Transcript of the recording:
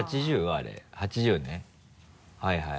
あれ８０ｃｍねはいはい。